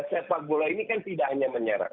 sepak bola ini kan tidak hanya menyerang